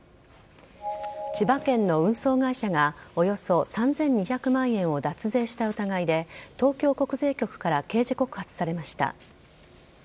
千葉県の運送会社がおよそ３２００万円を脱税した疑いで東京国税局から刑事告発されました。